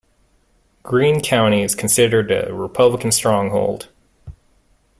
Greene County is considered a Republican stronghold.